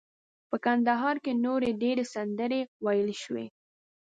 په کندهار کې نورې ډیرې سندرې ویل شوي.